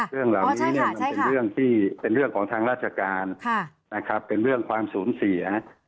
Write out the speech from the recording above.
เรื่องเหล่านี้เป็นเรื่องของทางราชการเป็นเรื่องความสูงเสีย